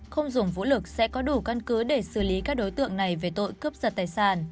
không dùng vũ lực sẽ có đủ căn cứ để xử lý các đối tượng này về tội cướp giật tài sản